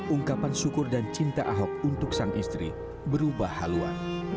ungkapan syukur dan cinta ahok untuk sang istri berubah haluan